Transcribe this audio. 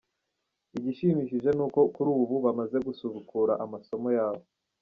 Igishimishije ni uko kuri ubu bamaze gusubukura amasomo yabo.